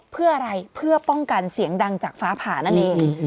เพื่ออะไรเพื่อป้องกันเสียงดังจากฟ้าผ่านั่นเอง